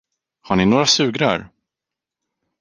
Har ni några sugrör?